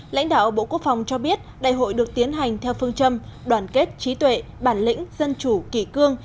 lãnh đạo bộ quốc phòng cho biết đại hội được tiến hành theo phương châm đoàn kết trí tuệ bản lĩnh dân chủ kỳ cương